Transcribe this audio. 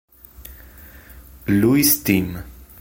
Louis Team.